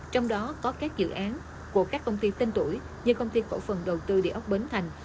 trong đó có các dự án của các công ty tên tuổi như công ty cổ phần đầu tư địa ốc bến thành